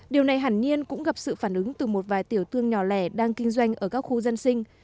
điều này hẳn nhiên cũng gặp sự phản ứng từ một vài tiểu thương nhỏ lẻ đang kinh doanh ở các khu dân sinh